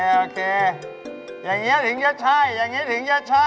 โอเคอย่างนี้ถึงจะใช่อย่างนี้ถึงจะใช่